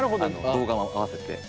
動画も合わせて。